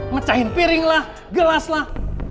mecahin piring lah gelas lah